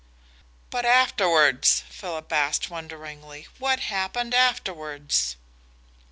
"But afterwards?" Philip asked wonderingly. "What happened afterwards?"